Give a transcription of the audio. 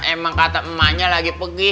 emang kata emaknya lagi pergi